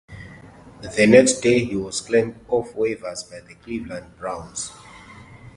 The next day, he was claimed off waivers by the Cleveland Browns.